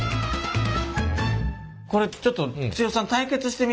これちょっと剛さん対決してみます？